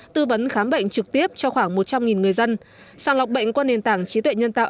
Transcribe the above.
tư vấn khám bệnh trực tiếp cho khoảng một trăm linh người dân sàng lọc bệnh qua nền tảng trí tuệ nhân tạo